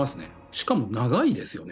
しかも長いですよね。